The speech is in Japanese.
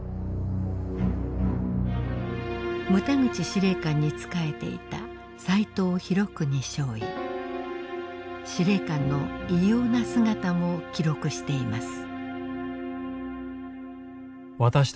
牟田口司令官に仕えていた司令官の異様な姿も記録しています。